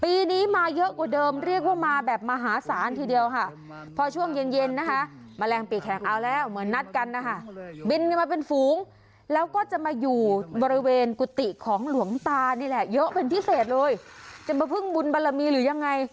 ปีนี้มาเยอะกว่าเดิมเรียกว่ามาแบบมหาศาลทีเดียวค่ะพอช่วงเย็นเย็นนะคะแมลงปีแขกเอาแล้วเหมือนนัดกันนะคะบินกันมาเป็นฝูงแล้วก็จะมาอยู่บริเวณกุฏิของหลวงตานี่แหละเยอะเป็นพิเศษเลยจะมาพึ่งบุญบารมีหรือยังไง